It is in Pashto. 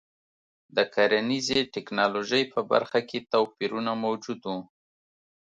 د کرنیزې ټکنالوژۍ په برخه کې توپیرونه موجود وو.